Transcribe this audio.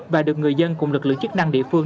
và được người dân cùng lực lượng chức năng địa phương